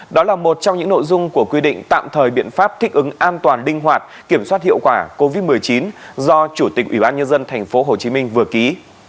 đó là một trong những nội dung của quy định tạm thời biện pháp thích ứng an toàn đinh hoạt kiểm soát hiệu quả covid một mươi chín do chủ tịch ủy ban nhân dân thành phố hồ chí minh vừa ký